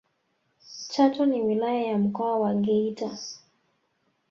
chato ni wilaya ya mkoa wa geita